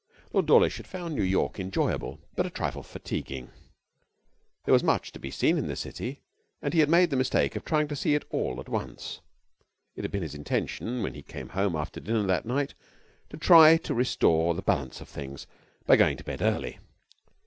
Lord Dawlish had found New York enjoyable, but a trifle fatiguing. There was much to be seen in the city, and he had made the mistake of trying to see it all at once. It had been his intention, when he came home after dinner that night, to try to restore the balance of things by going to bed early.